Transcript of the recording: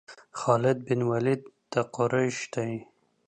خالد بن ولید د قریش دی.